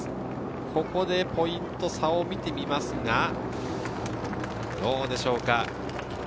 ここでポイント差を見てみますがどうでしょうか？